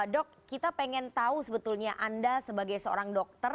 dok kita pengen tahu sebetulnya anda sebagai seorang dokter